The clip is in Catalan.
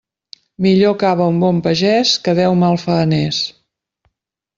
Millor cava un bon pagés que deu malfaeners.